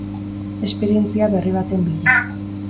Esperientzia berri baten bila.